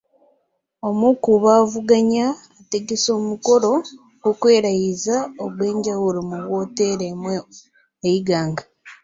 Omu ku baavuganya ategese omukolo gw'okwerayiza ogw'enjawulo mu wooteeri emu e Iganga.